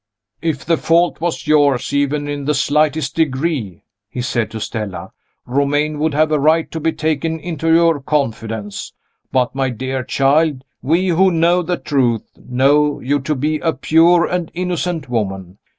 "If the fault was yours, even in the slightest degree," he said to Stella, "Romayne would have a right to be taken into your confidence. But, my dear child, we, who know the truth, know you to be a pure and innocent woman.